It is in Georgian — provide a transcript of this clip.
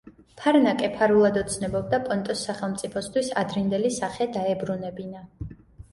ფარნაკე ფარულად ოცნებობდა პონტოს სახელმწიფოსთვის ადრინდელი სახე დაებრუნებინა.